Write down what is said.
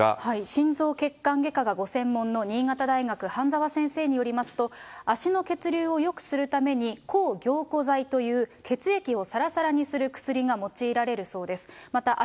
心臓血管外科がご専門の新潟大学、榛沢先生によりますと、足の血流をよくするために、抗凝固剤という血液をさらさらにする薬が用いられるそうです。